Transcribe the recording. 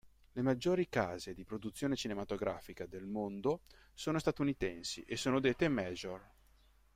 Le maggiori case di produzione cinematografica del mondo sono statunitensi e sono dette "major".